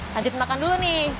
lanjut makan dulu nih